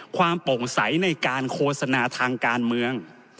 ความโปร่งใสในการโฆษณาทางการเมือง